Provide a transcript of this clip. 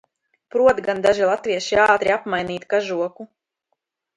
Prot gan daži latvieši ātri apmainīt kažoku!